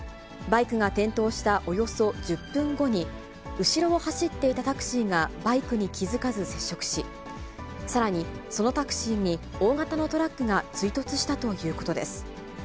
バイクが転倒したおよそ１０分後に、後ろを走っていたタクシーがバイクに気付かず接触し、さらにそのタクシーに大型のトラックが追突したということです。